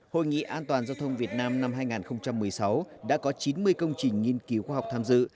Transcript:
hội nghị an toàn giao thông việt nam năm hai nghìn một mươi sáu đã có chín mươi công trình nghiên cứu khoa học tham dự